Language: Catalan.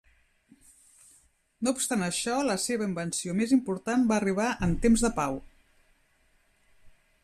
No obstant això, la seva invenció més important va arribar en temps de pau.